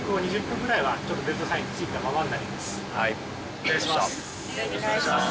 お願いします。